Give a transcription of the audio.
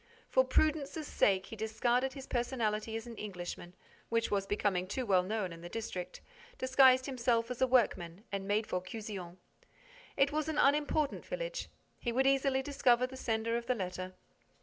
For prudence's sake, he discarded his personality as an Englishman, which was becoming too well known in the district, disguised himself as a workman and made for Cuzion. It was an unimportant village. He would easily discover the sender of the letter.